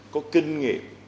có kinh nghiệm